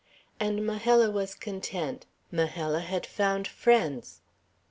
And Majella was content. Majella had found friends.